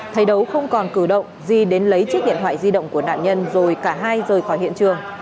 thấy đấu không còn cử động di đến lấy chiếc điện thoại di động của nạn nhân rồi cả hai rời khỏi hiện trường